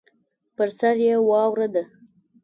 پر سر یې واوره ده.